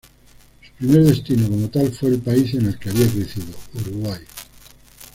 Su primer destino como tal fue el país en el que había crecido, Uruguay.